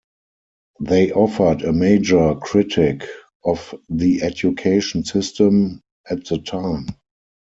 They offered a major critique of the education system at the time.